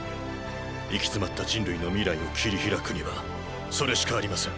行き詰まった人類の未来を切り開くにはそれしかありません。